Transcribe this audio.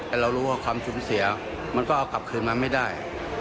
อาจรู้ว่าความชุดเสียมันก็เอากลับคืนมาไม่ได้